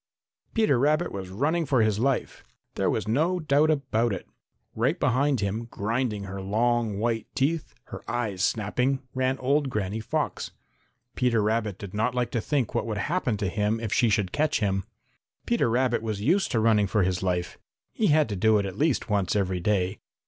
Peter Rabbit was running for his life. There was no doubt about it. Right behind him, grinding her long white teeth, her eyes snapping, ran old Granny Fox. Peter Rabbit did not like to think what would happen to him if she should catch him. Peter Rabbit was used to running for his life. He had to do it at least once every day.